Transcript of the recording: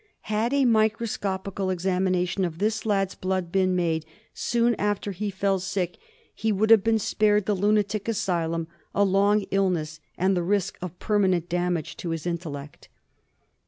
Had a microscopical examination of this lad's blood been made soon after he fell sick he would have been spared the lunatic asylum, a long illness, and the risk of per manent damage to his intellect.